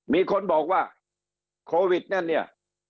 มีคนบอกว่าโควิดนั่นเนี่ย